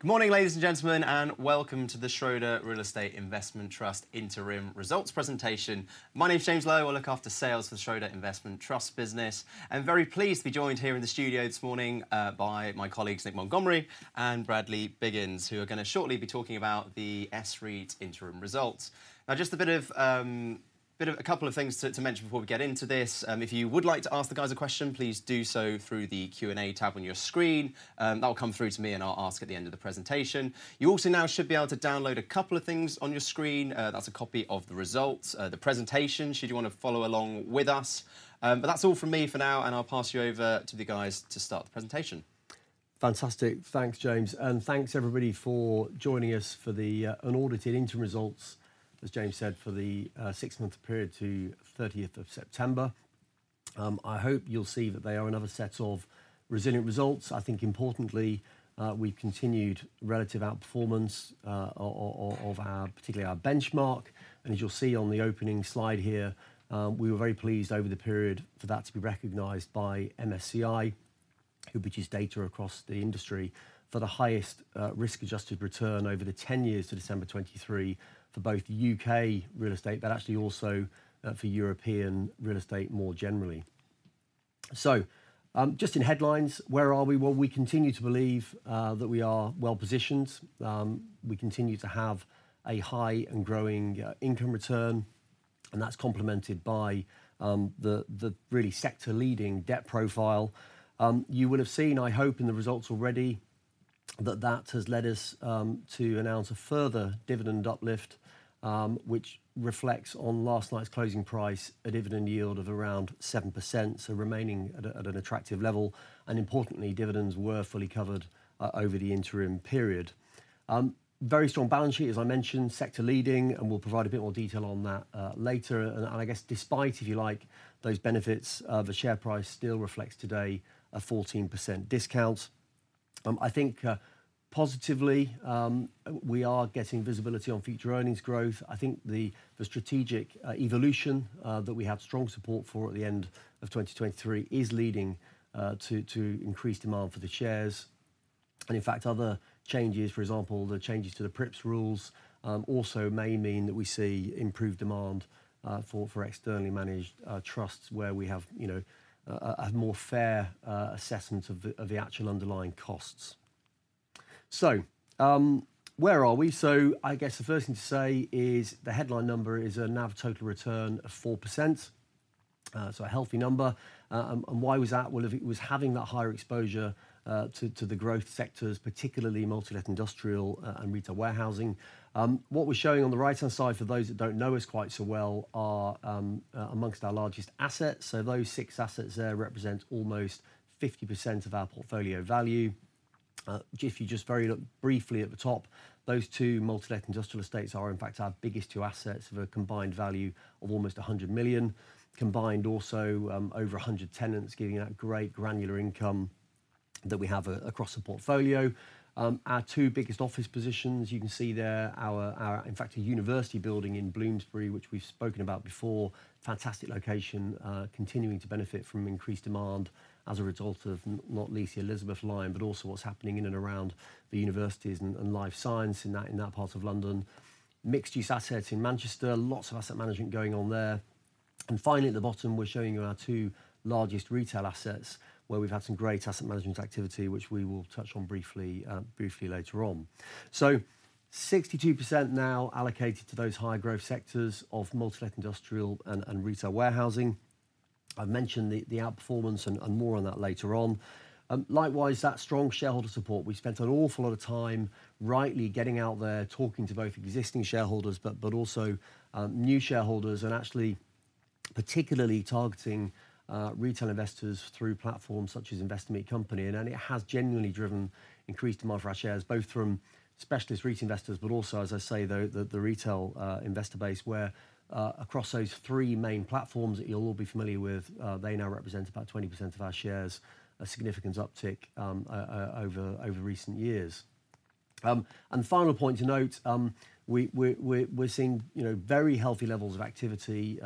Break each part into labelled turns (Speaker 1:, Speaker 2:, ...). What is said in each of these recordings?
Speaker 1: Good morning, ladies and gentlemen, and welcome to the Schroder Real Estate Investment Trust Interim Results Presentation. My name is James Lowe. I look after sales for the Schroder Investment Trust business. I'm very pleased to be joined here in the studio this morning by my colleagues, Nick Montgomery and Bradley Biggins, who are going to shortly be talking about the S-REIT Interim Results. Now, just a bit of a couple of things to mention before we get into this. If you would like to ask the guys a question, please do so through the Q&A tab on your screen. That will come through to me and I'll ask at the end of the presentation. You also now should be able to download a couple of things on your screen. That's a copy of the results, the presentation, should you want to follow along with us. But that's all from me for now, and I'll pass you over to the guys to start the presentation.
Speaker 2: Fantastic. Thanks, James, and thanks, everybody, for joining us for the unaudited interim results, as James said, for the six-month period to 30th of September. I hope you'll see that they are another set of resilient results. I think, importantly, we've continued relative outperformance of particularly our benchmark, and as you'll see on the opening slide here, we were very pleased over the period for that to be recognized by MSCI, who produced data across the industry for the highest risk-adjusted return over the 10 years to December 2023 for both U.K. real estate but actually also for European real estate more generally. So just in headlines, where are we? Well, we continue to believe that we are well positioned. We continue to have a high and growing income return, and that's complemented by the really sector-leading debt profile. You will have seen, I hope, in the results already that that has led us to announce a further dividend uplift, which reflects on last night's closing price, a dividend yield of around 7%, so remaining at an attractive level, and importantly, dividends were fully covered over the interim period. Very strong balance sheet, as I mentioned, sector-leading, and we'll provide a bit more detail on that later, and I guess, despite, if you like, those benefits, the share price still reflects today a 14% discount. I think positively we are getting visibility on future earnings growth. I think the strategic evolution that we have strong support for at the end of 2023 is leading to increased demand for the shares. In fact, other changes, for example, the changes to the PRIIPs rules also may mean that we see improved demand for externally managed trusts where we have a more fair assessment of the actual underlying costs. So where are we? So I guess the first thing to say is the headline number is a NAV total return of 4%, so a healthy number. And why was that? Well, it was having that higher exposure to the growth sectors, particularly multi-let industrial and retail warehousing. What we're showing on the right-hand side for those that don't know us quite so well are among our largest assets. So those six assets there represent almost 50% of our portfolio value. If you just very look briefly at the top, those two multi-let industrial estates are, in fact, our biggest two assets for a combined value of almost 100 million, combined also over 100 tenants, giving that great granular income that we have across the portfolio. Our two biggest office positions, you can see there, are, in fact, a university building in Bloomsbury, which we've spoken about before, fantastic location, continuing to benefit from increased demand as a result of not least the Elizabeth Line, but also what's happening in and around the universities and life science in that part of London. Mixed-use assets in Manchester, lots of asset management going on there. And finally, at the bottom, we're showing you our two largest retail assets where we've had some great asset management activity, which we will touch on briefly later on. 62% now allocated to those high-growth sectors of multi-let industrial and retail warehousing. I've mentioned the outperformance and more on that later on. Likewise, that strong shareholder support. We spent an awful lot of time rightly getting out there, talking to both existing shareholders but also new shareholders, and actually particularly targeting retail investors through platforms such as Investor Meet Company. And it has genuinely driven increased demand for our shares, both from specialist retail investors, but also, as I say, the retail investor base, where across those three main platforms that you'll all be familiar with, they now represent about 20% of our shares, a significant uptick over recent years. And final point to note, we're seeing very healthy levels of activity,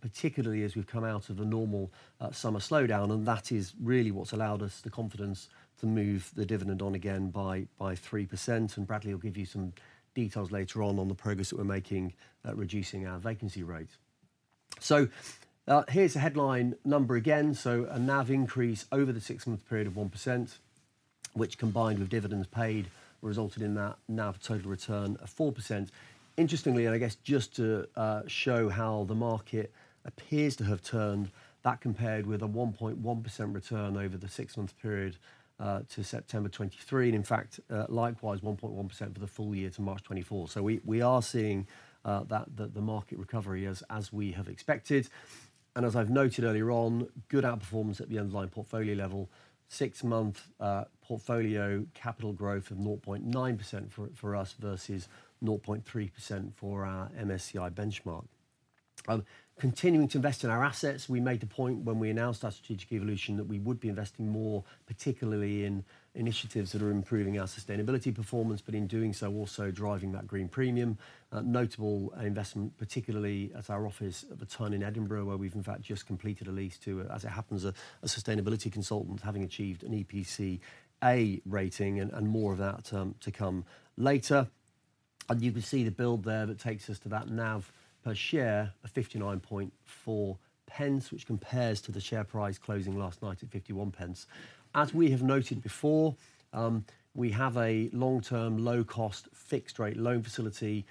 Speaker 2: particularly as we've come out of a normal summer slowdown. And that is really what's allowed us the confidence to move the dividend on again by 3%. And Bradley will give you some details later on the progress that we're making at reducing our vacancy rates. So here's a headline number again. So a NAV increase over the six-month period of 1%, which combined with dividends paid resulted in that NAV total return of 4%. Interestingly, and I guess just to show how the market appears to have turned, that compared with a 1.1% return over the six-month period to September 2023, and in fact, likewise, 1.1% for the full year to March 2024. So we are seeing that the market recovery as we have expected. And as I've noted earlier on, good outperformance at the underlying portfolio level, six-month portfolio capital growth of 0.9% for us versus 0.3% for our MSCI benchmark. Continuing to invest in our assets, we made the point when we announced our strategic evolution that we would be investing more, particularly in initiatives that are improving our sustainability performance, but in doing so also driving that green premium. Notable investment, particularly at our The Tun in Edinburgh where we've, in fact, just completed a lease to, as it happens, a sustainability consultant having achieved an EPC A rating and more of that to come later. And you can see the build there that takes us to that NAV per share of 0.594, which compares to the share price closing last night at 0.51. As we have noted before, we have a long-term low-cost fixed-rate loan facility.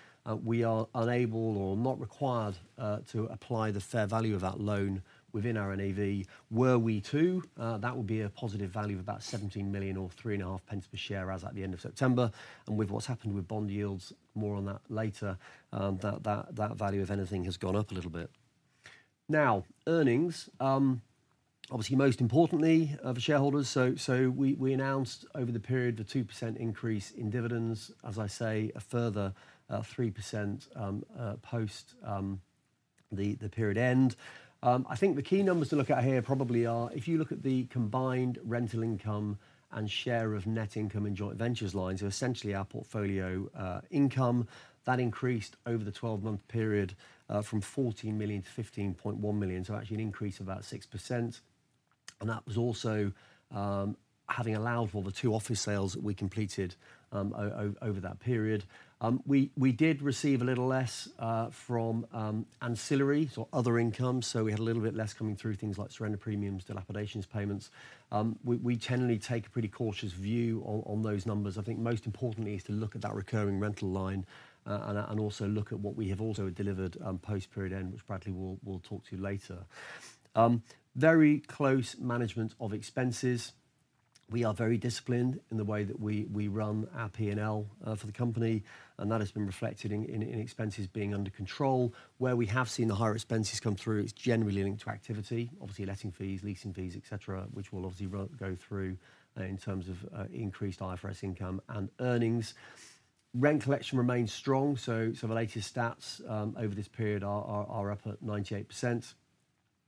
Speaker 2: We are unable or not required to apply the fair value of that loan within our NAV. Were we to, that would be a positive value of about 17 million or 0.035 per share as at the end of September, and with what's happened with bond yields, more on that later, that value of anything has gone up a little bit. Now, earnings, obviously most importantly for shareholders, so we announced over the period a 2% increase in dividends, as I say, a further 3% post the period end. I think the key numbers to look at here probably are, if you look at the combined rental income and share of net income in joint ventures lines, so essentially our portfolio income, that increased over the 12-month period from 14 million to 15.1 million, so actually an increase of about 6%, and that was also having allowed for the two office sales that we completed over that period. We did receive a little less from ancillaries or other income, so we had a little bit less coming through things like surrender premiums, dilapidations payments. We generally take a pretty cautious view on those numbers. I think most importantly is to look at that recurring rental line and also look at what we have also delivered post-period end, which Bradley will talk to you later. Very close management of expenses. We are very disciplined in the way that we run our P&L for the company, and that has been reflected in expenses being under control. Where we have seen the higher expenses come through is generally linked to activity, obviously letting fees, leasing fees, etc., which will obviously go through in terms of increased IFRS income and earnings. Rent collection remains strong, so the latest stats over this period are up at 98%.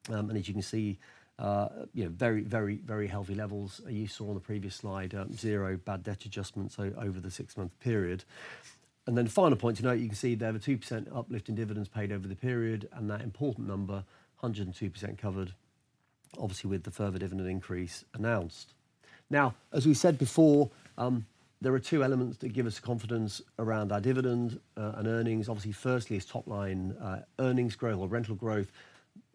Speaker 2: As you can see, very, very, very healthy levels. You saw on the previous slide, zero bad debt adjustments over the six-month period. Final point to note, you can see there were 2% uplift in dividends paid over the period, and that important number, 102% covered, obviously with the further dividend increase announced. Now, as we said before, there are two elements that give us confidence around our dividend and earnings. Obviously, firstly is top-line earnings growth or rental growth.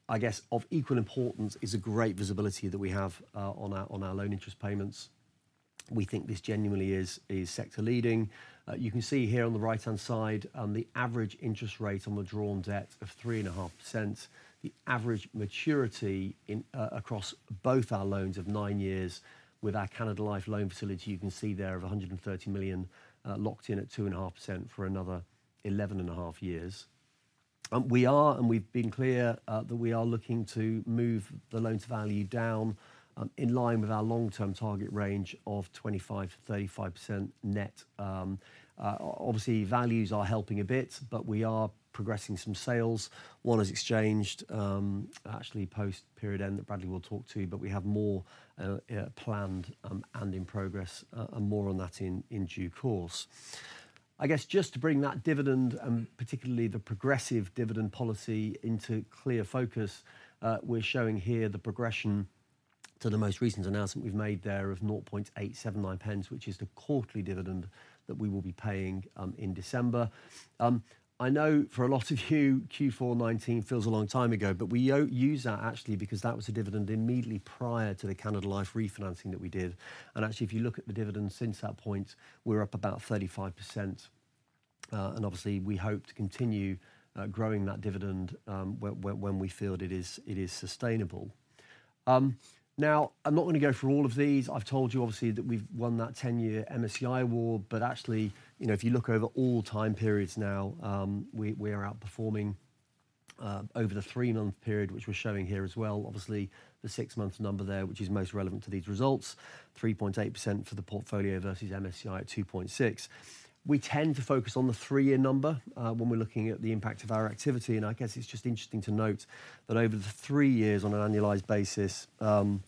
Speaker 2: I guess of equal importance is the great visibility that we have on our loan interest payments. We think this genuinely is sector-leading. You can see here on the right-hand side the average interest rate on withdrawn debt of 3.5%, the average maturity across both our loans of nine years with our Canada Life loan facility. You can see there of 130 million locked in at 2.5% for another 11.5 years. We are, and we've been clear that we are looking to move the loan's value down in line with our long-term target range of 25%-35% net. Obviously, values are helping a bit, but we are progressing some sales. One has exchanged actually post-period end that Bradley will talk to, but we have more planned and in progress, and more on that in due course. I guess just to bring that dividend and particularly the progressive dividend policy into clear focus, we're showing here the progression to the most recent announcement we've made there of 0.879 pence, which is the quarterly dividend that we will be paying in December. I know for a lot of you, Q4 2019 feels a long time ago, but we use that actually because that was a dividend immediately prior to the Canada Life refinancing that we did, and actually, if you look at the dividend since that point, we're up about 35%, and obviously, we hope to continue growing that dividend when we feel it is sustainable. Now, I'm not going to go through all of these. I've told you, obviously, that we've won that 10-year MSCI award, but actually, if you look over all time periods now, we are outperforming over the three-month period, which we're showing here as well. Obviously, the six-month number there, which is most relevant to these results, 3.8% for the portfolio versus MSCI at 2.6%. We tend to focus on the three-year number when we're looking at the impact of our activity, and I guess it's just interesting to note that over the three years on an annualized basis, the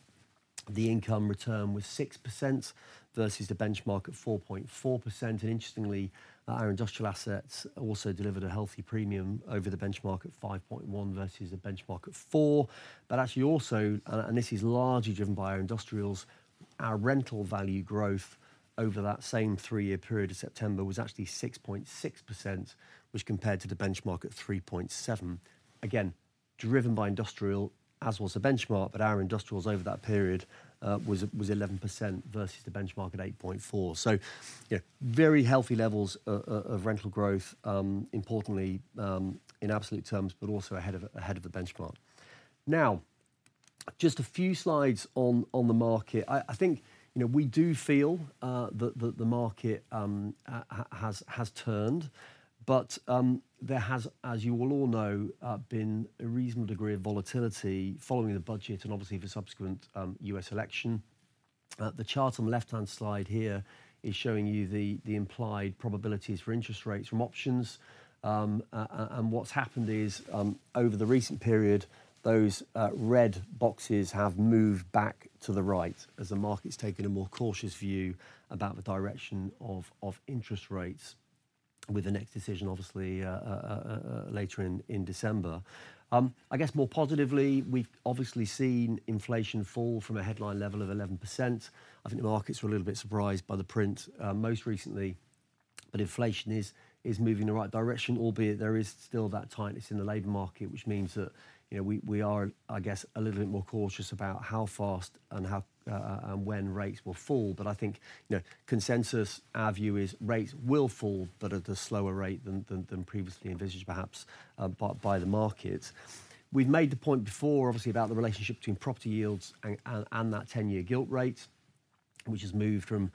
Speaker 2: income return was 6% versus the benchmark at 4.4%, and interestingly, our industrial assets also delivered a healthy premium over the benchmark at 5.1% versus the benchmark at 4%, but actually also, and this is largely driven by our industrials, our rental value growth over that same three-year period of September was actually 6.6%, which compared to the benchmark at 3.7%. Again, driven by industrial as was the benchmark, but our industrials over that period was 11% versus the benchmark at 8.4%. So very healthy levels of rental growth, importantly in absolute terms, but also ahead of the benchmark. Now, just a few slides on the market. I think we do feel that the market has turned, but there has, as you will all know, been a reasonable degree of volatility following the budget and obviously the subsequent U.S. election. The chart on the left-hand slide here is showing you the implied probabilities for interest rates from options. And what's happened is over the recent period, those red boxes have moved back to the right as the market's taken a more cautious view about the direction of interest rates with the next decision, obviously later in December. I guess more positively, we've obviously seen inflation fall from a headline level of 11%. I think the markets were a little bit surprised by the print most recently, but inflation is moving in the right direction, albeit there is still that tightness in the labor market, which means that we are, I guess, a little bit more cautious about how fast and when rates will fall. But I think consensus, our view, is rates will fall, but at a slower rate than previously envisaged, perhaps, by the markets. We've made the point before, obviously, about the relationship between property yields and that 10-year gilt rate, which has moved from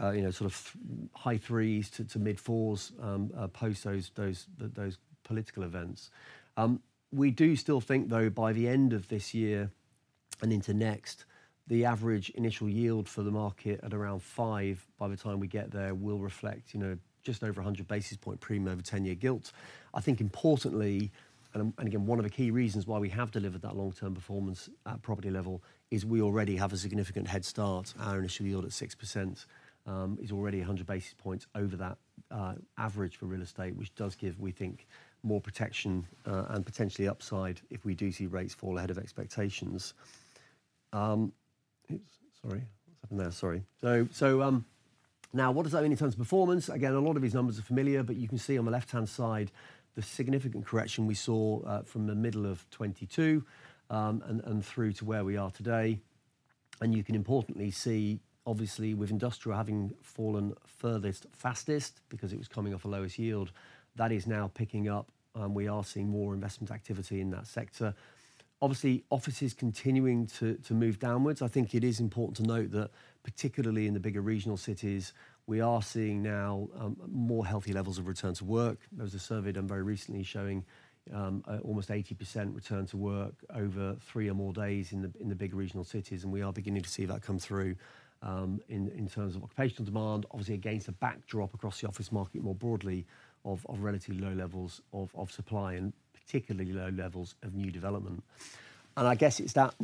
Speaker 2: sort of high threes to mid-fours post those political events. We do still think, though, by the end of this year and into next, the average initial yield for the market at around 5% by the time we get there will reflect just over 100 basis point premium over 10-year gilts. I think importantly, and again, one of the key reasons why we have delivered that long-term performance at property level is we already have a significant head start. Our initial yield at 6% is already 100 basis points over that average for real estate, which does give, we think, more protection and potentially upside if we do see rates fall ahead of expectations. Sorry, what's happened there? Sorry. So now, what does that mean in terms of performance? Again, a lot of these numbers are familiar, but you can see on the left-hand side the significant correction we saw from the middle of 2022 and through to where we are today. And you can importantly see, obviously, with industrial having fallen furthest fastest because it was coming off a lowest yield, that is now picking up, and we are seeing more investment activity in that sector. Obviously, offices continuing to move downwards. I think it is important to note that particularly in the bigger regional cities, we are seeing now more healthy levels of return to work. There was a survey done very recently showing almost 80% return to work over three or more days in the big regional cities. And we are beginning to see that come through in terms of occupational demand, obviously against a backdrop across the office market more broadly of relatively low levels of supply and particularly low levels of new development. And I guess it's that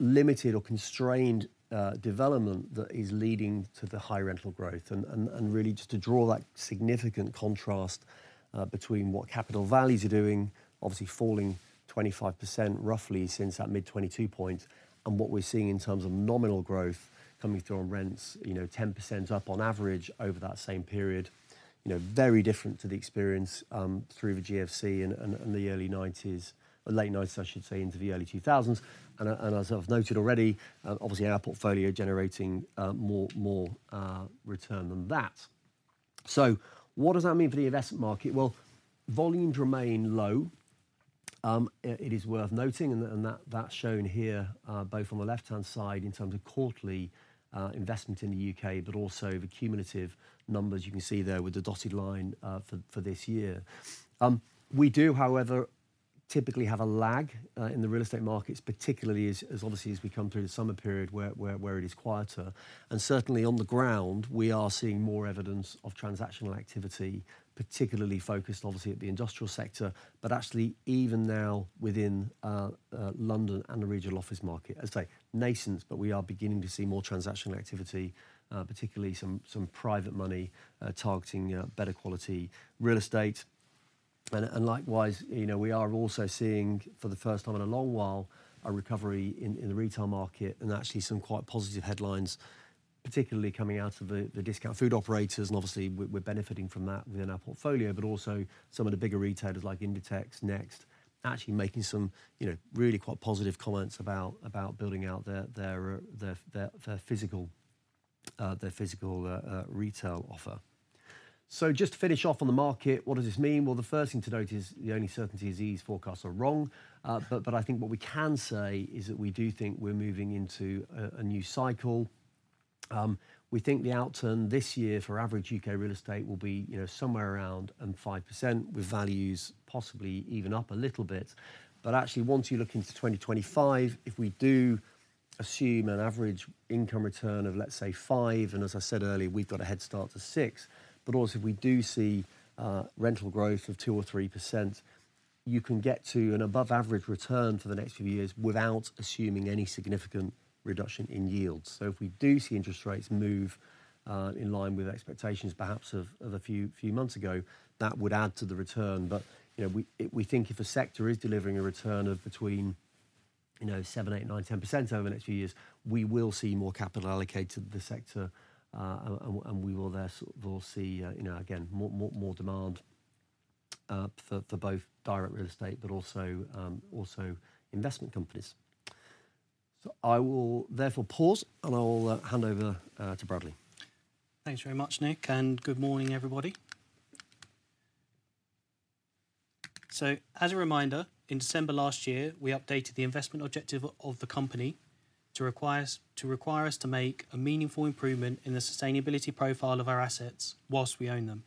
Speaker 2: limited or constrained development that is leading to the high rental growth. And really, just to draw that significant contrast between what capital values are doing, obviously falling 25% roughly since that mid-2022 point, and what we're seeing in terms of nominal growth coming through on rents, 10% up on average over that same period, very different to the experience through the GFC and the early 1990s, late 1990s, I should say, into the early 2000s. And as I've noted already, obviously our portfolio generating more return than that. So what does that mean for the investment market? Well, volumes remain low. It is worth noting, and that's shown here both on the left-hand side in terms of quarterly investment in the U.K., but also the cumulative numbers you can see there with the dotted line for this year. We do, however, typically have a lag in the real estate markets, particularly as obviously as we come through the summer period where it is quieter, and certainly on the ground, we are seeing more evidence of transactional activity, particularly focused obviously at the industrial sector, but actually even now within London and the regional office market. As I say, nascent, but we are beginning to see more transactional activity, particularly some private money targeting better quality real estate, and likewise, we are also seeing for the first time in a long while a recovery in the retail market and actually some quite positive headlines, particularly coming out of the discount food operators. And obviously, we're benefiting from that within our portfolio, but also some of the bigger retailers like Inditex, Next, actually making some really quite positive comments about building out their physical retail offer. So just to finish off on the market, what does this mean? Well, the first thing to note is the only certainty is these forecasts are wrong. But I think what we can say is that we do think we're moving into a new cycle. We think the outturn this year for average U.K. real estate will be somewhere around 5% with values possibly even up a little bit. But actually, once you look into 2025, if we do assume an average income return of, let's say, five, and as I said earlier, we've got a head start to six, but also if we do see rental growth of 2% or 3%, you can get to an above-average return for the next few years without assuming any significant reduction in yields. So if we do see interest rates move in line with expectations perhaps of a few months ago, that would add to the return. But we think if a sector is delivering a return of between 7%, 8%, 9%, 10% over the next few years, we will see more capital allocated to the sector, and we will therefore see, again, more demand for both direct real estate, but also investment companies. So I will therefore pause, and I will hand over to Bradley.
Speaker 3: Thanks very much, Nick, and good morning, everybody. So as a reminder, in December last year, we updated the investment objective of the company to require us to make a meaningful improvement in the sustainability profile of our assets whilst we own them.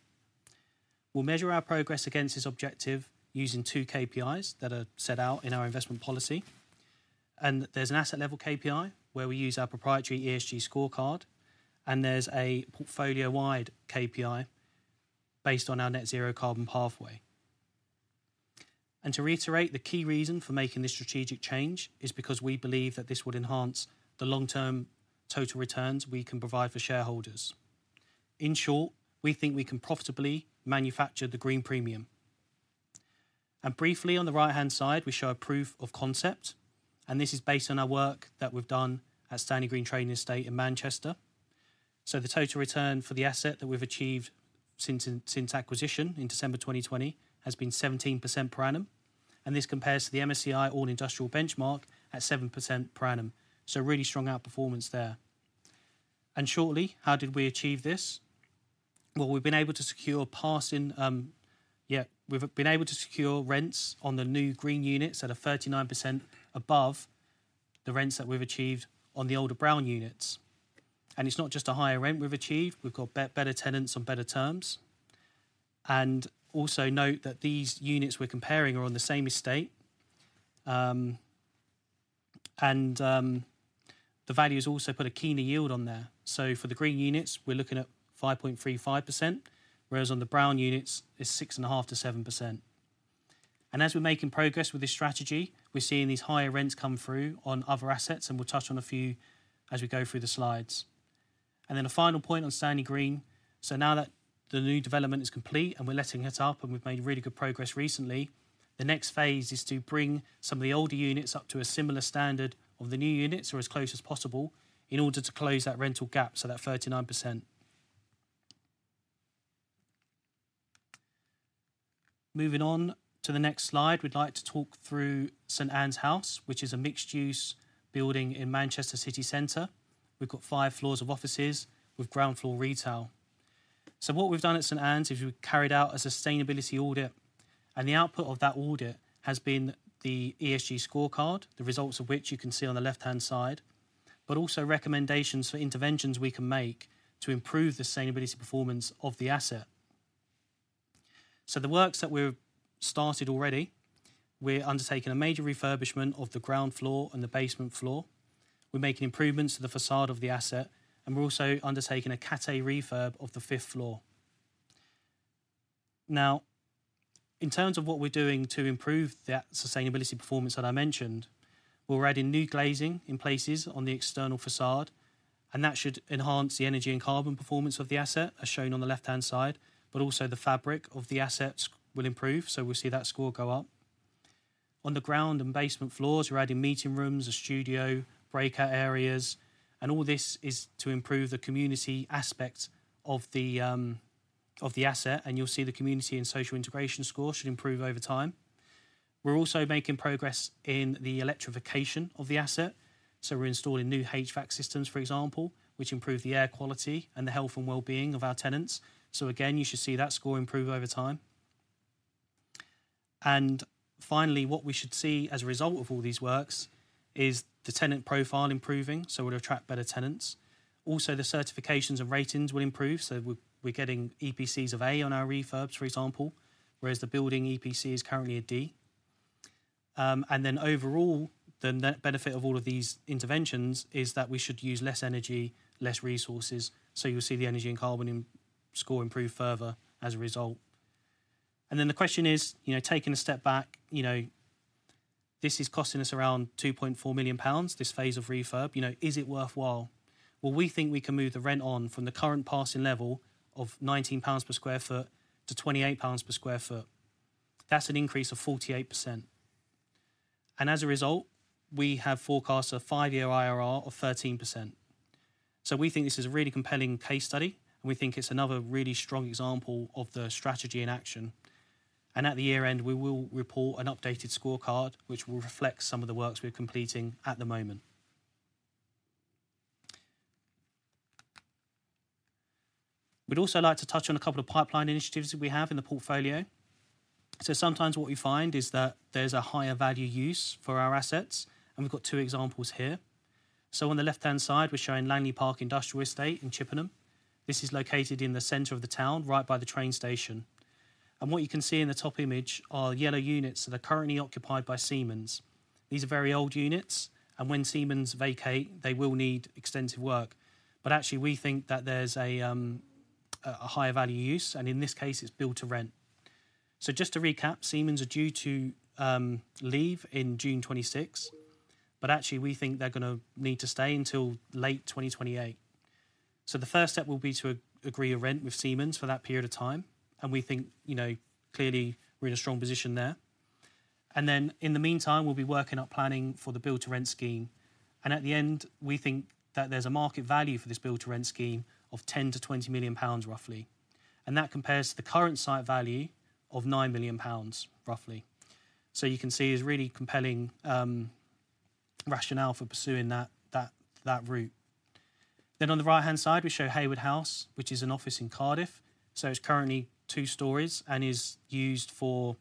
Speaker 3: We'll measure our progress against this objective using two KPIs that are set out in our investment policy. And there's an asset-level KPI where we use our proprietary ESG scorecard, and there's a portfolio-wide KPI based on our net zero carbon pathway. And to reiterate, the key reason for making this strategic change is because we believe that this would enhance the long-term total returns we can provide for shareholders. In short, we think we can profitably manufacture the green premium. Briefly, on the right-hand side, we show a proof of concept, and this is based on our work that we've done at Stanley Green Trading Estate in Manchester. The total return for the asset that we've achieved since acquisition in December 2020 has been 17% per annum, and this compares to the MSCI All Industrial benchmark at 7% per annum. Really strong outperformance there. Shortly, how did we achieve this? We've been able to secure rents on the new green units that are 39% above the rents that we've achieved on the older brown units. It's not just a higher rent we've achieved, we've got better tenants on better terms. Also note that these units we're comparing are on the same estate, and the values also put a keener yield on there. For the green units, we're looking at 5.35%, whereas on the brown units, it's 6.5%-7%. And as we're making progress with this strategy, we're seeing these higher rents come through on other assets, and we'll touch on a few as we go through the slides. And then a final point on Stanley Green. So now that the new development is complete and we're letting it up and we've made really good progress recently, the next phase is to bring some of the older units up to a similar standard of the new units or as close as possible in order to close that rental gap, so that 39%. Moving on to the next slide, we'd like to talk through St. Ann's House, which is a mixed-use building in Manchester city center. We've got five floors of offices with ground floor retail. So what we've done at St. Ann's is we've carried out a sustainability audit, and the output of that audit has been the ESG scorecard, the results of which you can see on the left-hand side, but also recommendations for interventions we can make to improve the sustainability performance of the asset. So the works that we've started already, we're undertaking a major refurbishment of the ground floor and the basement floor. We're making improvements to the facade of the asset, and we're also undertaking a Category A refurb of the fifth floor. Now, in terms of what we're doing to improve that sustainability performance that I mentioned, we're adding new glazing in places on the external facade, and that should enhance the energy and carbon performance of the asset, as shown on the left-hand side, but also the fabric of the assets will improve, so we'll see that score go up. On the ground and basement floors, we're adding meeting rooms, a studio, breakout areas, and all this is to improve the community aspect of the asset, and you'll see the community and social integration score should improve over time. We're also making progress in the electrification of the asset, so we're installing new HVAC systems, for example, which improve the air quality and the health and well-being of our tenants. So again, you should see that score improve over time. And finally, what we should see as a result of all these works is the tenant profile improving, so we'll attract better tenants. Also, the certifications and ratings will improve, so we're getting EPCs of A on our refurbs, for example, whereas the building EPC is currently a D. Overall, the benefit of all of these interventions is that we should use less energy, less resources, so you'll see the energy and carbon score improve further as a result. Then the question is, taking a step back, this is costing us around 2.4 million pounds this phase of refurb. Is it worthwhile? Well, we think we can move the rent on from the current passing level of 19 pounds per sq ft to 28 pounds per sq ft. That's an increase of 48%. And as a result, we have forecast a five-year IRR of 13%. So we think this is a really compelling case study, and we think it's another really strong example of the strategy in action. And at the year end, we will report an updated scorecard, which will reflect some of the works we're completing at the moment. We'd also like to touch on a couple of pipeline initiatives that we have in the portfolio. So sometimes what we find is that there's a higher value use for our assets, and we've got two examples here. On the left-hand side, we're showing Langley Park Industrial Estate in Chippenham. This is located in the center of the town, right by the train station. What you can see in the top image are yellow units that are currently occupied by Siemens. These are very old units, and when Siemens vacate, they will need extensive work. But actually, we think that there's a higher value use, and in this case, it's built to rent. Just to recap, Siemens are due to leave in June 2026, but actually, we think they're going to need to stay until late 2028. So the first step will be to agree a rent with Siemens for that period of time, and we think clearly we're in a strong position there. And then in the meantime, we'll be working up planning for the build-to-rent scheme. And at the end, we think that there's a market value for this build-to-rent scheme of 10 million-20 million pounds, roughly. And that compares to the current site value of nine million pounds, roughly. So you can see it's a really compelling rationale for pursuing that route. Then on the right-hand side, we show Haywood House, which is an office in Cardiff. So it's currently two stories and is used for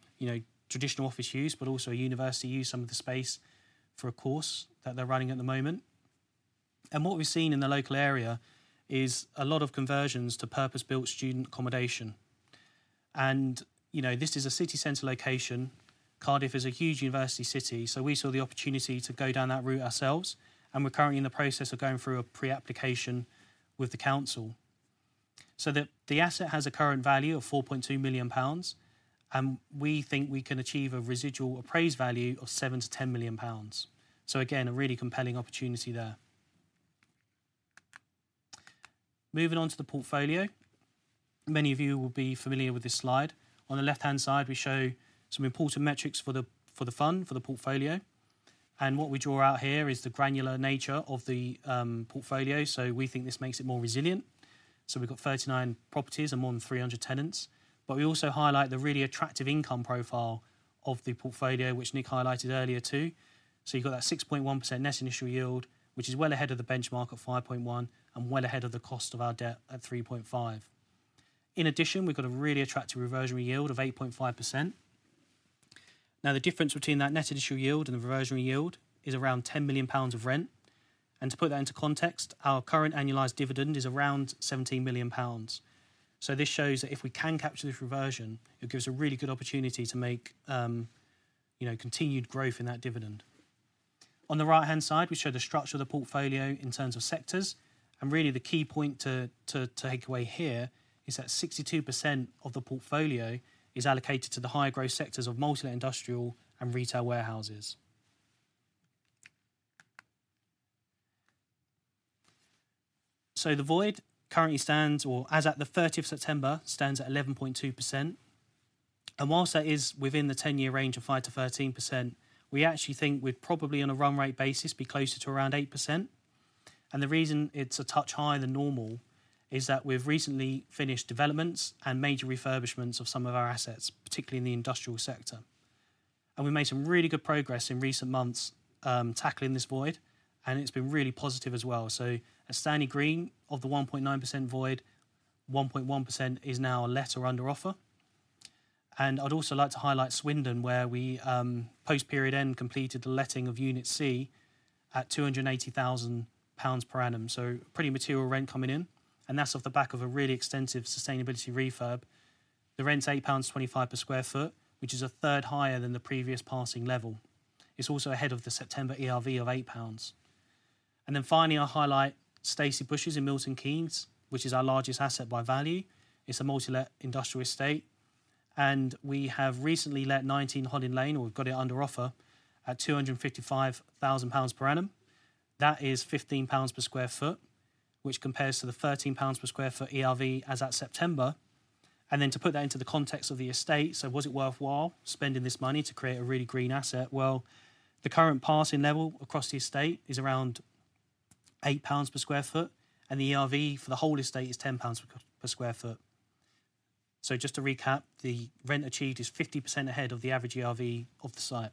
Speaker 3: traditional office use, but also university use, some of the space for a course that they're running at the moment. And what we've seen in the local area is a lot of conversions to purpose-built student accommodation. This is a city center location. Cardiff is a huge university city, so we saw the opportunity to go down that route ourselves, and we're currently in the process of going through a pre-application with the council. So the asset has a current value of 4.2 million pounds, and we think we can achieve a residual appraised value of 7 million-10 million pounds. So again, a really compelling opportunity there. Moving on to the portfolio, many of you will be familiar with this slide. On the left-hand side, we show some important metrics for the fund, for the portfolio. And what we draw out here is the granular nature of the portfolio, so we think this makes it more resilient. So we've got 39 properties and more than 300 tenants. But we also highlight the really attractive income profile of the portfolio, which Nick highlighted earlier too. You've got that 6.1% net initial yield, which is well ahead of the benchmark at 5.1% and well ahead of the cost of our debt at 3.5%. In addition, we've got a really attractive reversionary yield of 8.5%. Now, the difference between that net initial yield and the reversionary yield is around 10 million pounds of rent. And to put that into context, our current annualized dividend is around 17 million pounds. So this shows that if we can capture this reversion, it gives a really good opportunity to make continued growth in that dividend. On the right-hand side, we show the structure of the portfolio in terms of sectors. And really, the key point to take away here is that 62% of the portfolio is allocated to the higher growth sectors of multi-let industrial and retail warehouses. The void currently stands, or as at the 30th of September, stands at 11.2%. While that is within the 10-year range of 5%-13%, we actually think we're probably on a run rate basis be closer to around 8%. The reason it's a touch higher than normal is that we've recently finished developments and major refurbishments of some of our assets, particularly in the industrial sector. We have made some really good progress in recent months tackling this void, and it's been really positive as well. At Stanley Green, of the 1.9% void, 1.1% is now a letting under offer. I would also like to highlight Swindon, where we post-period end completed the letting of unit C at 280,000 pounds per annum. Pretty material rent coming in, and that's off the back of a really extensive sustainability refurb. The rent's 8.25 pounds per sq ft, which is a third higher than the previous passing level. It's also ahead of the September ERV of 8 pounds. And then finally, I highlight Stacey Bushes in Milton Keynes, which is our largest asset by value. It's a multi-let industrial estate, and we have recently let 19 Holly Lane, or we've got it under offer, at 255,000 pounds per annum. That is 15 pounds per sq ft, which compares to the 13 pounds per sq ft ERV as at September. And then to put that into the context of the estate, so was it worthwhile spending this money to create a really green asset? Well, the current passing level across the estate is around 8 pounds per sq ft, and the ERV for the whole estate is 10 pounds per sq ft. So just to recap, the rent achieved is 50% ahead of the average ERV of the site.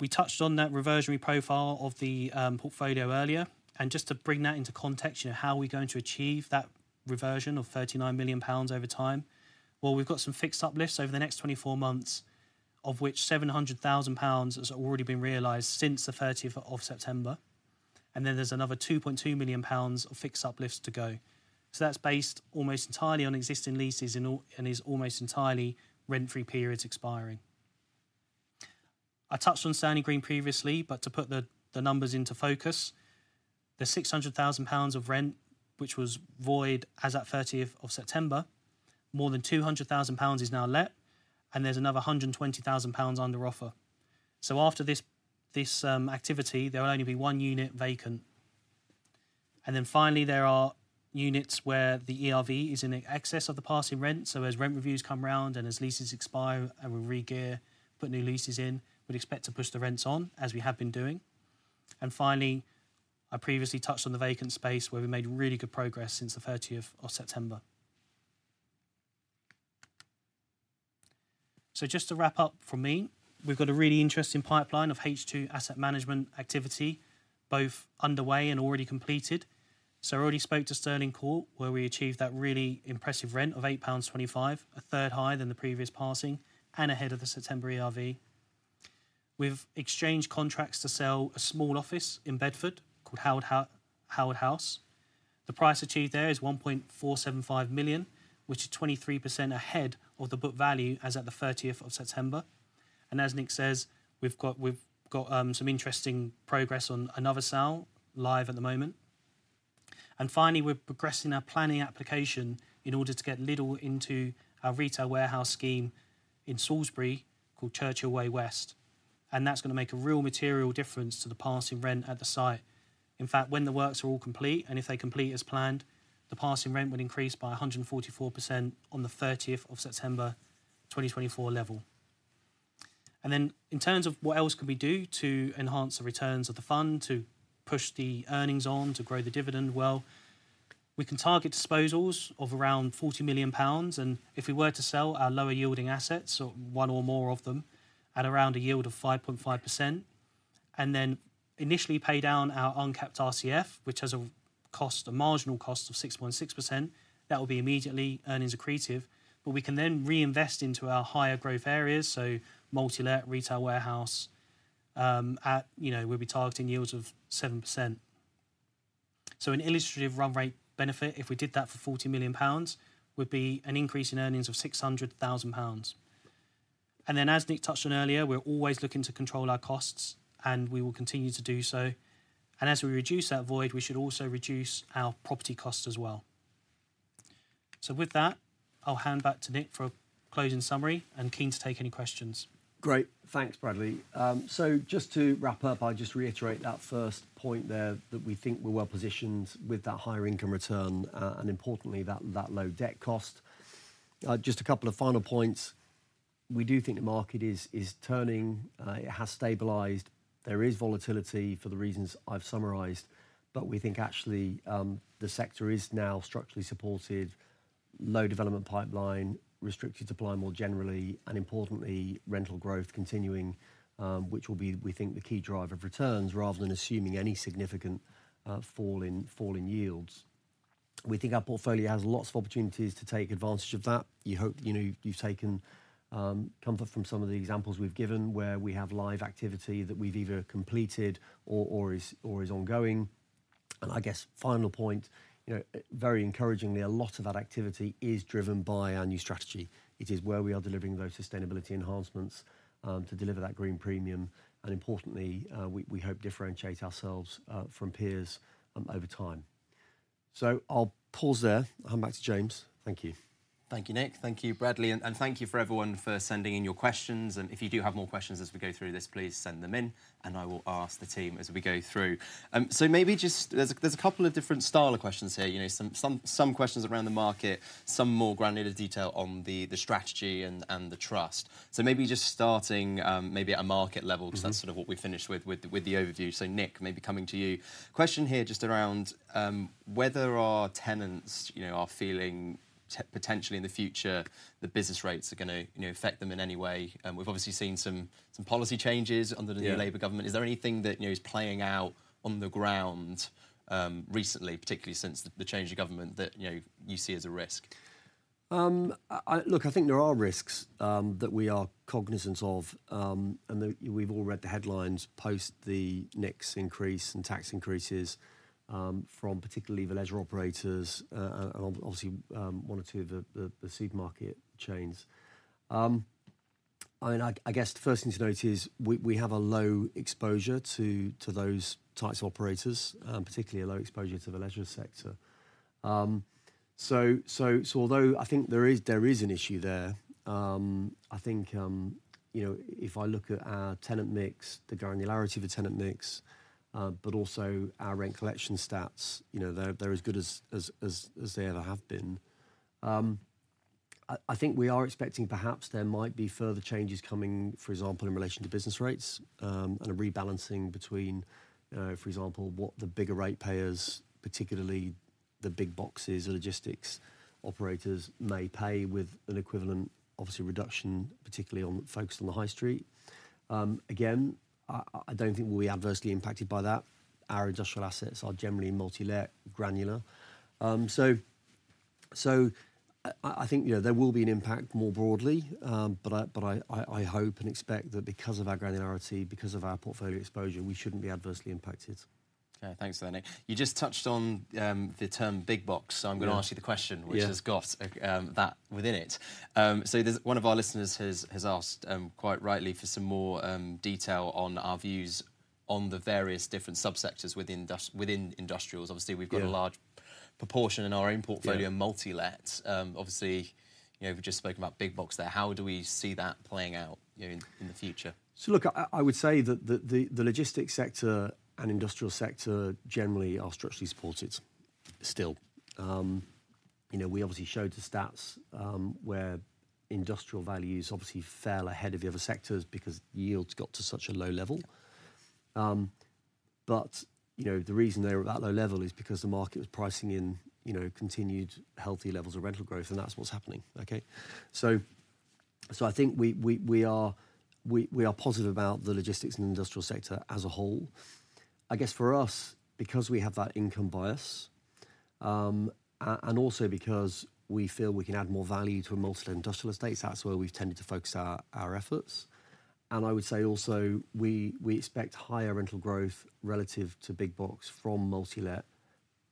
Speaker 3: We touched on that reversionary profile of the portfolio earlier, and just to bring that into context, how are we going to achieve that reversion of 39 million pounds over time? Well, we've got some fixed uplifts over the next 24 months, of which 700,000 pounds has already been realised since the 30th of September, and then there's another 2.2 million pounds of fixed uplifts to go. So that's based almost entirely on existing leases and is almost entirely rent-free periods expiring. I touched on Stanley Green previously, but to put the numbers into focus, the 600,000 pounds of rent, which was void as at 30th of September, more than 200,000 pounds is now let, and there's another 120,000 pounds under offer. So after this activity, there will only be one unit vacant. And then finally, there are units where the ERV is in excess of the passing rent, so as rent reviews come around and as leases expire and we re-gear, put new leases in, we'd expect to push the rents on, as we have been doing. And finally, I previously touched on the vacant space where we made really good progress since the 30th of September. So just to wrap up from me, we've got a really interesting pipeline of H2 asset management activity, both underway and already completed. So I already spoke to Stirling Court, where we achieved that really impressive rent of 8.25 pounds, a third higher than the previous passing and ahead of the September ERV. We've exchanged contracts to sell a small office in Bedford called Howard House. The price achieved there is 1.475 million, which is 23% ahead of the book value as at the 30th of September, and as Nick says, we've got some interesting progress on another sale live at the moment, and finally, we're progressing our planning application in order to get Lidl into our retail warehouse scheme in Salisbury called Churchill Way West, and that's going to make a real material difference to the passing rent at the site. In fact, when the works are all complete and if they complete as planned, the passing rent would increase by 144% on the 30th of September 2024 level. And then in terms of what else can we do to enhance the returns of the fund, to push the earnings on, to grow the dividend, well, we can target disposals of around EUR 40 million, and if we were to sell our lower-yielding assets, one or more of them, at around a yield of 5.5%, and then initially pay down our uncapped RCF, which has a marginal cost of 6.6%, that will be immediately earnings accretive, but we can then reinvest into our higher growth areas, so multi-let retail warehouse, we'll be targeting yields of 7%. So an illustrative run rate benefit, if we did that for EUR 40 million, would be an increase in earnings of EUR 600,000. And then as Nick touched on earlier, we're always looking to control our costs, and we will continue to do so. And as we reduce that void, we should also reduce our property costs as well. So with that, I'll hand back to Nick for a closing summary and keen to take any questions.
Speaker 2: Great. Thanks, Bradley. So just to wrap up, I'll just reiterate that first point there that we think we're well positioned with that higher income return and importantly that low debt cost. Just a couple of final points. We do think the market is turning. It has stabilized. There is volatility for the reasons I've summarized, but we think actually the sector is now structurally supported, low development pipeline, restricted supply more generally, and importantly, rental growth continuing, which will be, we think, the key driver of returns rather than assuming any significant fall in yields. We think our portfolio has lots of opportunities to take advantage of that. You hope you've taken comfort from some of the examples we've given where we have live activity that we've either completed or is ongoing, and I guess final point, very encouragingly, a lot of that activity is driven by our new strategy. It is where we are delivering those sustainability enhancements to deliver that green premium and importantly, we hope differentiate ourselves from peers over time, so I'll pause there. I'll hand back to James. Thank you.
Speaker 1: Thank you, Nick. Thank you, Bradley, and thank you for everyone for sending in your questions. And if you do have more questions as we go through this, please send them in, and I will ask the team as we go through. So maybe just there's a couple of different style of questions here. Some questions around the market, some more granular detail on the strategy and the trust. So maybe just starting maybe at a market level, because that's sort of what we finished with the overview. So Nick, maybe coming to you. Question here just around whether our tenants are feeling potentially in the future that business rates are going to affect them in any way. We've obviously seen some policy changes under the new Labour government. Is there anything that is playing out on the ground recently, particularly since the change of government that you see as a risk?
Speaker 2: Look, I think there are risks that we are cognizant of, and we've all read the headlines post the recent increase in tax increases from particularly the leisure operators, and obviously one or two of the supermarket chains. I guess the first thing to note is we have a low exposure to those types of operators, particularly a low exposure to the leisure sector. So although I think there is an issue there, I think if I look at our tenant mix, the granularity of the tenant mix, but also our rent collection stats, they're as good as they ever have been. I think we are expecting perhaps there might be further changes coming, for example, in relation to business rates and a rebalancing between, for example, what the bigger rate payers, particularly the big boxes and logistics operators, may pay with an equivalent, obviously, reduction, particularly focused on the high street. Again, I don't think we'll be adversely impacted by that. Our industrial assets are generally multi-let, granular, so I think there will be an impact more broadly, but I hope and expect that because of our granularity, because of our portfolio exposure, we shouldn't be adversely impacted.
Speaker 1: Okay, thanks for that, Nick. You just touched on the term big box, so I'm going to ask you the question which has got that within it. So one of our listeners has asked quite rightly for some more detail on our views on the various different subsectors within industrials. Obviously, we've got a large proportion in our own portfolio, multi-let. Obviously, we've just spoken about big box there. How do we see that playing out in the future?
Speaker 2: So look, I would say that the logistics sector and industrial sector generally are structurally supported still. We obviously showed the stats where industrial values obviously fell ahead of the other sectors because yields got to such a low level. But the reason they were at that low level is because the market was pricing in continued healthy levels of rental growth, and that's what's happening. So I think we are positive about the logistics and industrial sector as a whole. I guess for us, because we have that income bias and also because we feel we can add more value to a multi-let industrial estate, that's where we've tended to focus our efforts. And I would say also we expect higher rental growth relative to big box from multi-let,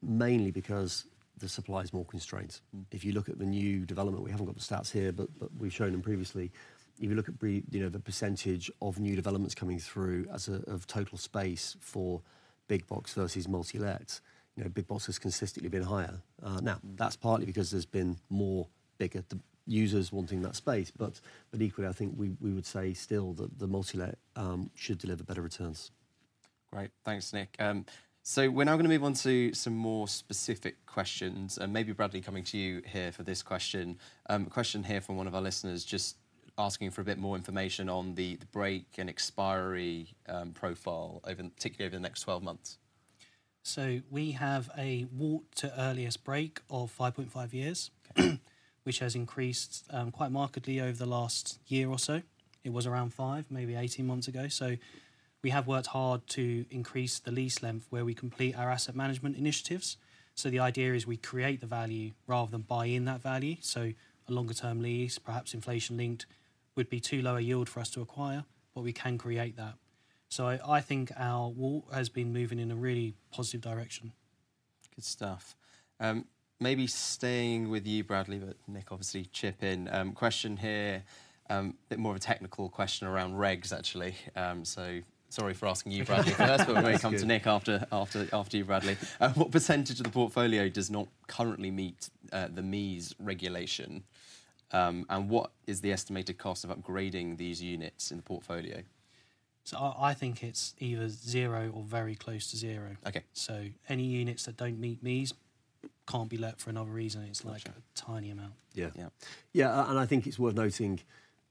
Speaker 2: mainly because the supply is more constrained. If you look at the new development, we haven't got the stats here, but we've shown them previously. If you look at the percentage of new developments coming through as of total space for big box versus multi-let, big box has consistently been higher. Now, that's partly because there's been more bigger users wanting that space, but equally, I think we would say still that the multi-let should deliver better returns.
Speaker 1: Great. Thanks, Nick. So we're now going to move on to some more specific questions, and maybe Bradley coming to you here for this question. A question here from one of our listeners just asking for a bit more information on the break and expiry profile, particularly over the next 12 months.
Speaker 3: We have a WAULT to earliest break of 5.5 years, which has increased quite markedly over the last year or so. It was around five, maybe 18 months ago. We have worked hard to increase the lease length where we complete our asset management initiatives. The idea is we create the value rather than buy in that value. A longer-term lease, perhaps inflation-linked, would be too low a yield for us to acquire, but we can create that. I think our WAULT has been moving in a really positive direction.
Speaker 1: Good stuff. Maybe staying with you, Bradley, but Nick obviously chip in. Question here, a bit more of a technical question around regs actually. So sorry for asking you, Bradley, first, but we may come to Nick after you, Bradley. What percentage of the portfolio does not currently meet the MEES regulation, and what is the estimated cost of upgrading these units in the portfolio?
Speaker 3: So I think it's either zero or very close to zero. So any units that don't meet MEES can't be let for another reason. It's like a tiny amount.
Speaker 2: Yeah. Yeah, and I think it's worth noting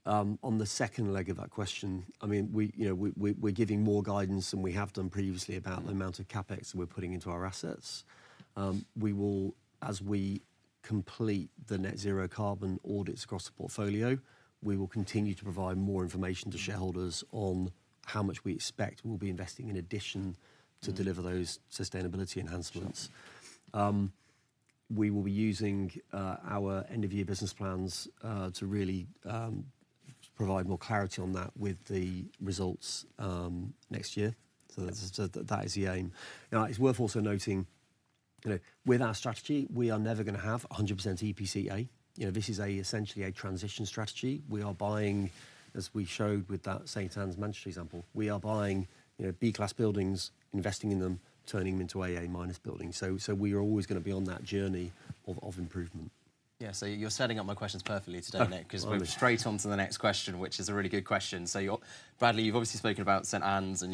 Speaker 2: on the second leg of that question, I mean, we're giving more guidance than we have done previously about the amount of CapEx that we're putting into our assets. As we complete the net zero carbon audits across the portfolio, we will continue to provide more information to shareholders on how much we expect we'll be investing in addition to deliver those sustainability enhancements. We will be using our end-of-year business plans to really provide more clarity on that with the results next year. So that is the aim. Now, it's worth also noting with our strategy, we are never going to have 100% EPC A. This is essentially a transition strategy. We are buying, as we showed with that St. Ann's Manchester example, we are buying B-class buildings, investing in them, turning them into AA-minus buildings. We are always going to be on that journey of improvement.
Speaker 1: Yeah, so you're setting up my questions perfectly today, Nick, because we're straight on to the next question, which is a really good question. So Bradley, you've obviously spoken about St. Ann's and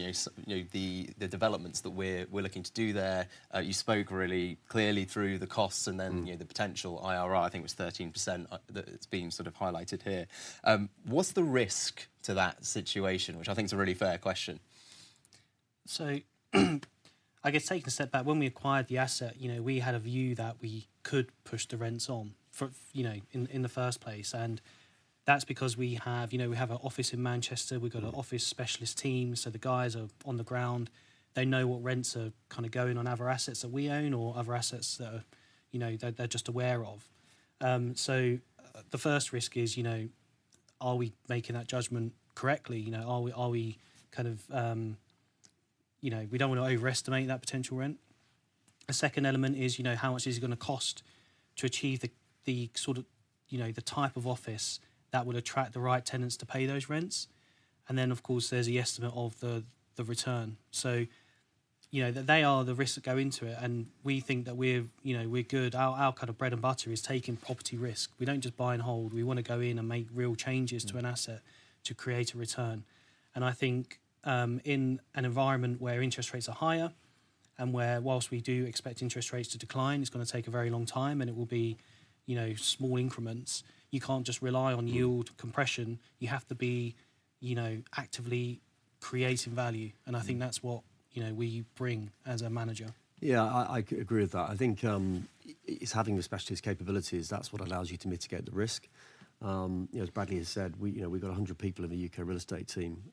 Speaker 1: the developments that we're looking to do there. You spoke really clearly through the costs and then the potential IRR, I think it was 13% that's been sort of highlighted here. What's the risk to that situation, which I think is a really fair question?
Speaker 3: So I guess taking a step back, when we acquired the asset, we had a view that we could push the rents on in the first place. And that's because we have an office in Manchester, we've got an office specialist team, so the guys are on the ground. They know what rents are kind of going on other assets that we own or other assets that they're just aware of. So the first risk is, are we making that judgment correctly? Are we kind of, we don't want to overestimate that potential rent. A second element is how much is it going to cost to achieve the sort of type of office that would attract the right tenants to pay those rents. And then, of course, there's the estimate of the return. So they are the risks that go into it, and we think that we're good. Our kind of bread and butter is taking property risk. We don't just buy and hold. We want to go in and make real changes to an asset to create a return. And I think in an environment where interest rates are higher and where, whilst we do expect interest rates to decline, it's going to take a very long time and it will be small increments, you can't just rely on yield compression. You have to be actively creating value. And I think that's what we bring as a manager.
Speaker 2: Yeah, I agree with that. I think it's having the specialist capabilities. That's what allows you to mitigate the risk. As Bradley has said, we've got 100 people in the U.K. real estate team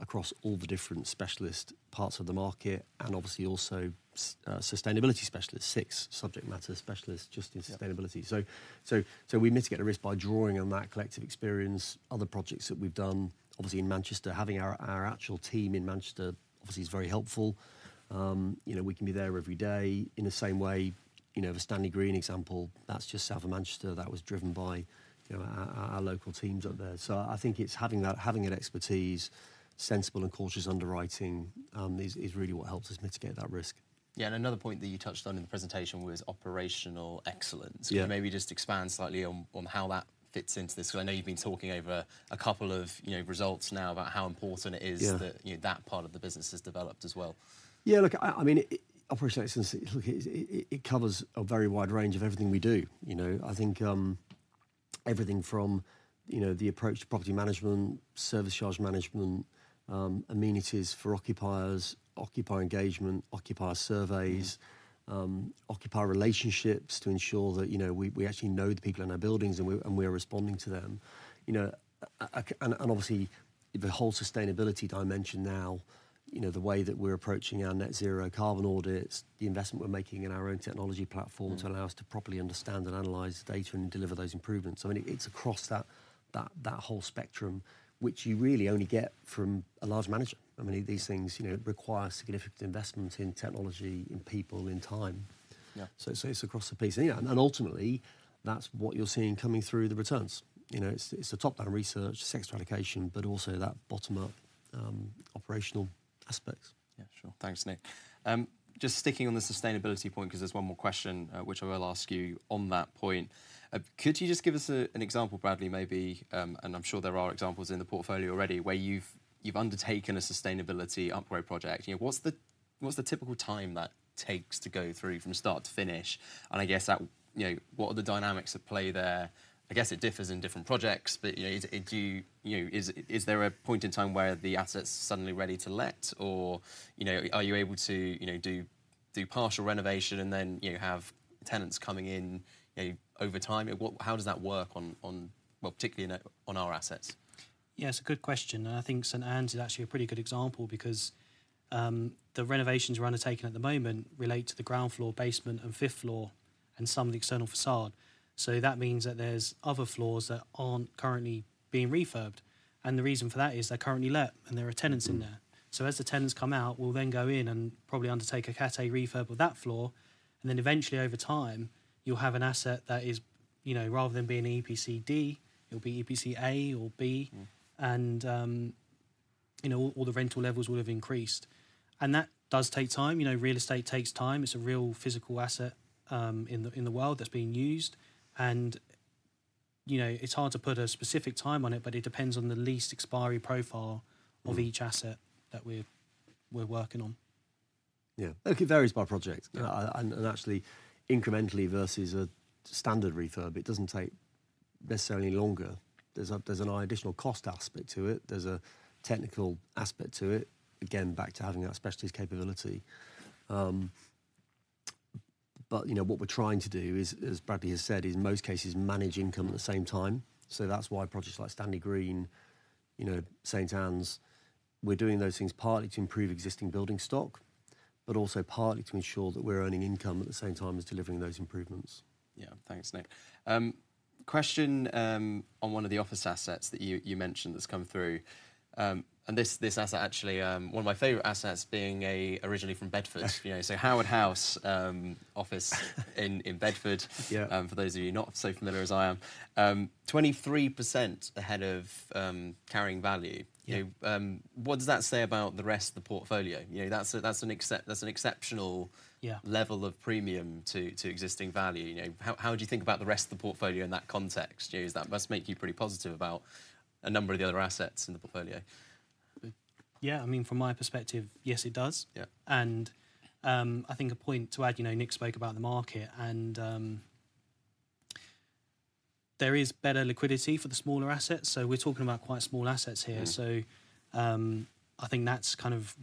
Speaker 2: across all the different specialist parts of the market and obviously also sustainability specialists, six subject matter specialists just in sustainability. So we mitigate the risk by drawing on that collective experience, other projects that we've done, obviously in Manchester. Having our actual team in Manchester obviously is very helpful. We can be there every day. In the same way, the Stanley Green example, that's just south of Manchester that was driven by our local teams up there. So I think it's having that expertise, sensible and cautious underwriting is really what helps us mitigate that risk.
Speaker 1: Yeah, and another point that you touched on in the presentation was operational excellence. Can you maybe just expand slightly on how that fits into this? Because I know you've been talking over a couple of results now about how important it is that that part of the business has developed as well.
Speaker 2: Yeah, look, I mean, operational excellence, look, it covers a very wide range of everything we do. I think everything from the approach to property management, service charge management, amenities for occupiers, occupier engagement, occupier surveys, occupier relationships to ensure that we actually know the people in our buildings and we are responding to them. And obviously, the whole sustainability dimension now, the way that we're approaching our net zero carbon audits, the investment we're making in our own technology platform to allow us to properly understand and analyze data and deliver those improvements. I mean, it's across that whole spectrum, which you really only get from a large manager. I mean, these things require significant investment in technology, in people, in time. So it's across the piece. And ultimately, that's what you're seeing coming through the returns. It's the top-down research, the sector stratification, but also that bottom-up operational aspects.
Speaker 1: Yeah, sure. Thanks, Nick. Just sticking on the sustainability point, because there's one more question which I will ask you on that point. Could you just give us an example, Bradley, maybe, and I'm sure there are examples in the portfolio already where you've undertaken a sustainability upgrade project? What's the typical time that takes to go through from start to finish? And I guess what are the dynamics at play there? I guess it differs in different projects, but is there a point in time where the asset's suddenly ready to let, or are you able to do partial renovation and then have tenants coming in over time? How does that work on, well, particularly on our assets?
Speaker 3: Yeah, it's a good question. And I think St. Ann's is actually a pretty good example because the renovations we're undertaking at the moment relate to the ground floor, basement, and fifth floor, and some of the external facade. So that means that there's other floors that aren't currently being refurbed. And the reason for that is they're currently let and there are tenants in there. So as the tenants come out, we'll then go in and probably undertake a Category A refurb of that floor. And then eventually, over time, you'll have an asset that is, rather than being EPC D, it'll be EPC A or B. And all the rental levels will have increased. And that does take time. Real estate takes time. It's a real physical asset in the world that's being used. It's hard to put a specific time on it, but it depends on the lease expiry profile of each asset that we're working on.
Speaker 2: Yeah. It varies by project, and actually incrementally versus a standard refurb. It doesn't take necessarily longer. There's an additional cost aspect to it. There's a technical aspect to it, again, back to having that specialist capability. But what we're trying to do, as Bradley has said, is in most cases manage income at the same time. So that's why projects like Stanley Green, St. Ann's, we're doing those things partly to improve existing building stock, but also partly to ensure that we're earning income at the same time as delivering those improvements.
Speaker 1: Yeah, thanks, Nick. Question on one of the office assets that you mentioned that's come through. And this asset actually, one of my favorite assets being originally from Bedford, so Howard House office in Bedford, for those of you not so familiar as I am, 23% ahead of carrying value. What does that say about the rest of the portfolio? That's an exceptional level of premium to existing value. How do you think about the rest of the portfolio in that context? That must make you pretty positive about a number of the other assets in the portfolio.
Speaker 3: Yeah, I mean, from my perspective, yes, it does. And I think a point to add, Nick spoke about the market, and there is better liquidity for the smaller assets. So we're talking about quite small assets here. So I think that's kind of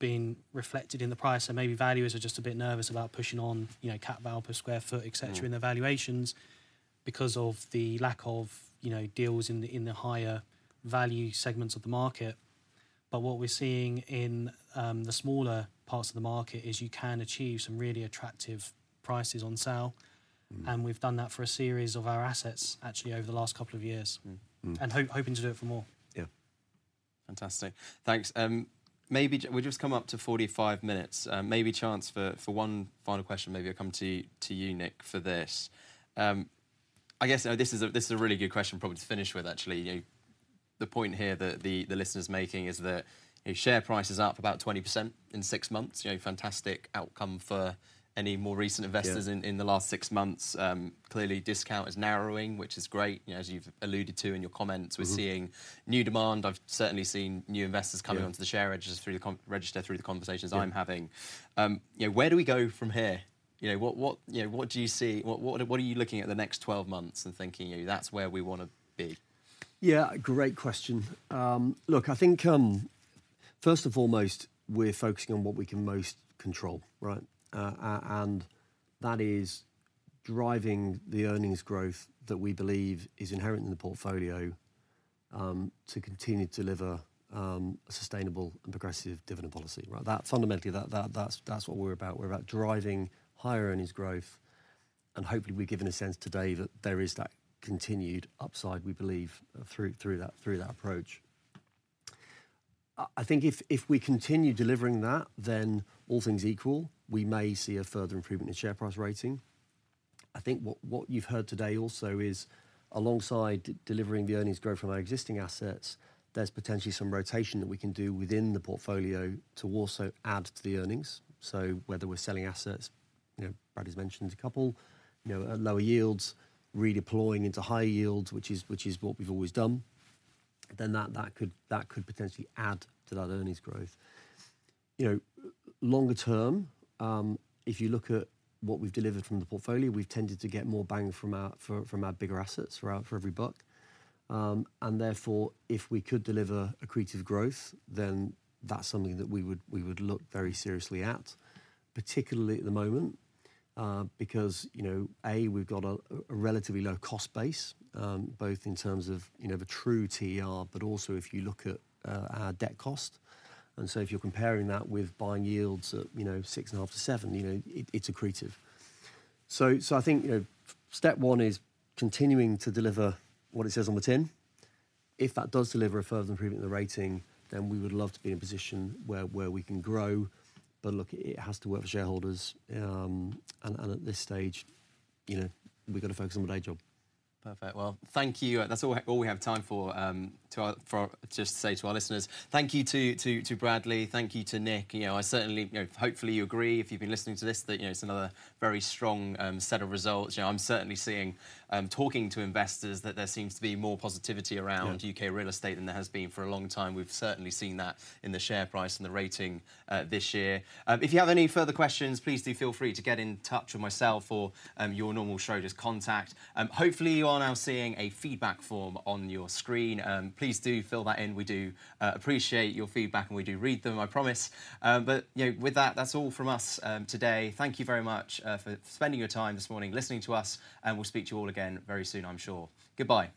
Speaker 3: been reflected in the price. And maybe valuers are just a bit nervous about pushing on cap value per square foot, etc., in the valuations because of the lack of deals in the higher value segments of the market. But what we're seeing in the smaller parts of the market is you can achieve some really attractive prices on sale. And we've done that for a series of our assets actually over the last couple of years, and hoping to do it for more.
Speaker 1: Yeah. Fantastic. Thanks. We've just come up to 45 minutes. Maybe chance for one final question, maybe I come to you, Nick, for this. I guess this is a really good question probably to finish with actually. The point here that the listeners are making is that share price is up about 20% in six months. Fantastic outcome for any more recent investors in the last six months. Clearly, discount is narrowing, which is great. As you've alluded to in your comments, we're seeing new demand. I've certainly seen new investors coming onto the share register through the conversations I'm having. Where do we go from here? What do you see? What are you looking at the next 12 months and thinking, "That's where we want to be"?
Speaker 2: Yeah, great question. Look, I think first and foremost, we're focusing on what we can most control, right? And that is driving the earnings growth that we believe is inherent in the portfolio to continue to deliver a sustainable and progressive dividend policy. Fundamentally, that's what we're about. We're about driving higher earnings growth. And hopefully, we're given a sense today that there is that continued upside, we believe, through that approach. I think if we continue delivering that, then all things equal, we may see a further improvement in share price rating. I think what you've heard today also is alongside delivering the earnings growth from our existing assets, there's potentially some rotation that we can do within the portfolio to also add to the earnings. So whether we're selling assets, Bradley's mentioned a couple, lower yields, redeploying into higher yields, which is what we've always done, then that could potentially add to that earnings growth. Longer term, if you look at what we've delivered from the portfolio, we've tended to get more bang from our bigger assets for every buck. And therefore, if we could deliver accretive growth, then that's something that we would look very seriously at, particularly at the moment, because A, we've got a relatively low cost base, both in terms of a true TER, but also if you look at our debt cost. And so if you're comparing that with buying yields at 6.5-7, it's accretive. So I think step one is continuing to deliver what it says on the tin. If that does deliver a further improvement in the rating, then we would love to be in a position where we can grow. But look, it has to work for shareholders. And at this stage, we've got to focus on the day job.
Speaker 1: Perfect. Well, thank you. That's all we have time for to just say to our listeners. Thank you to Bradley. Thank you to Nick. I certainly, hopefully you agree if you've been listening to this, that it's another very strong set of results. I'm certainly seeing, talking to investors, that there seems to be more positivity around U.K. real estate than there has been for a long time. We've certainly seen that in the share price and the rating this year. If you have any further questions, please do feel free to get in touch with myself or your normal Schroders contact. Hopefully, you are now seeing a feedback form on your screen. Please do fill that in. We do appreciate your feedback and we do read them, I promise. But with that, that's all from us today. Thank you very much for spending your time this morning listening to us, and we'll speak to you all again very soon, I'm sure. Goodbye.